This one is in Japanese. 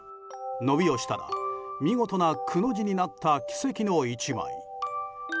伸びをしたら、見事なくの字になった奇跡の１枚。